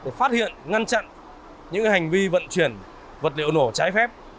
để phát hiện ngăn chặn những hành vi vận chuyển vật liệu nổ trái phép